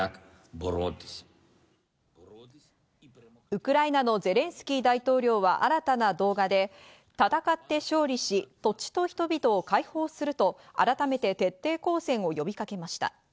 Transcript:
ウクライナのゼレンスキー大統領は新たな動画で戦って勝利し、土地と人々解放すると改めて徹底抗戦を呼びかけました。